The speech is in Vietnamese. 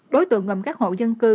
đối tượng gồm các hộ dân cư